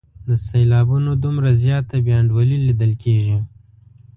د سېلابونو دومره زیاته بې انډولي لیدل کیږي.